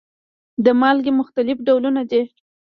د مالګې مختلف ډولونه دي.